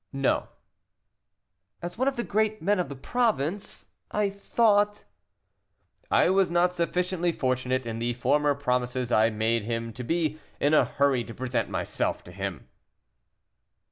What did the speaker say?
"No." "As one of the great men of the province, I thought " "I was not sufficiently fortunate in the former promises I made him to be in a hurry to present myself to him."